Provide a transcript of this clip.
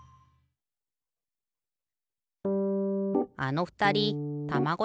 あのふたりたまご